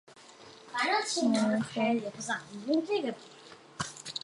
某年春三月二十一日去世。